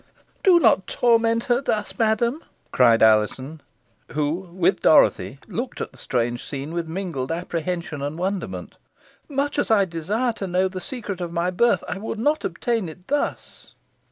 "Do not torment her thus, madam," cried Alizon, who with Dorothy looked at the strange scene with mingled apprehension and wonderment. "Much as I desire to know the secret of my birth, I would not obtain it thus."